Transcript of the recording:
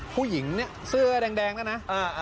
ผู้หญิงเนี่ยเสื้อแดงแล้วนะ